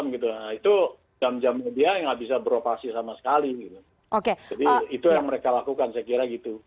jadi itu yang mereka lakukan saya kira gitu